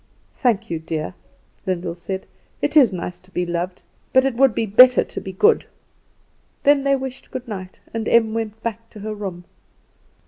"Thank you, dear," Lyndall said. "It is nice to be loved, but it would be better to be good." Then they wished good night, and Em went back to her room.